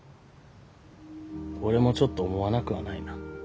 俺もちょっと思わなくはないな。